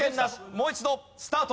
もう一度スタート。